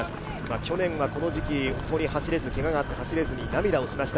去年はこの時期、けががあって走れずに涙をしました。